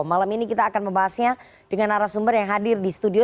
malam ini kita akan membahasnya dengan arah sumber yang hadir di studio